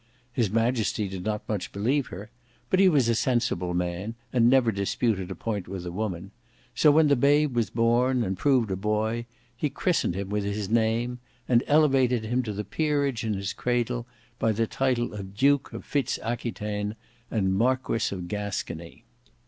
His majesty did not much believe her; but he was a sensible man, and never disputed a point with a woman; so when the babe was born, and proved a boy, he christened him with his name; and elevated him to the peerage in his cradle by the title of Duke of Fitz Aquitaine and Marquis of Gascony.